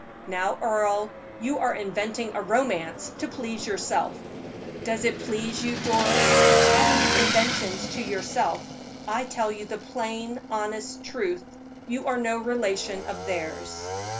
"Now, Earle, you are inventing a romance to please yourself." "Does it please you, Doris? I leave inventions to yourself; I tell you the plain, honest truth you are no relation of theirs."